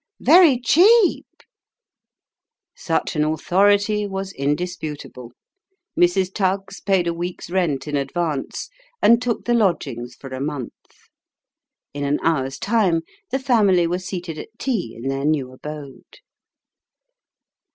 " Very cheap !" Such an authority was indisputable. Mrs. Tuggs paid a week's rent in advance, and took the lodgings for a month. In an hour's time, the family were seated at tea in their new abode.